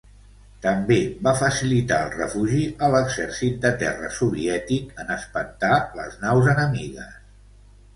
També va facilitar el refugi a l'exèrcit de terra soviètic en espantar les naus enemigues.